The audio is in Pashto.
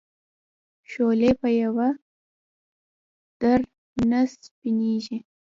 شولې په یوه در نه سپینېږي.